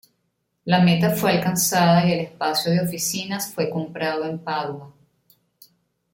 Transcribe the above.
La meta fue alcanzada y el espacio de oficinas fue comprado en Padua.